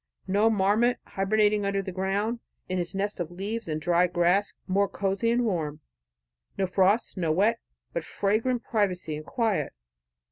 No marmot hibernating under ground in his nest of leaves and dry grass, more cosy and warm. No frost, no wet, but fragrant privacy and quiet.